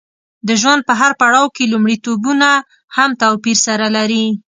د ژوند په هر پړاو کې لومړیتوبونه هم توپیر سره لري.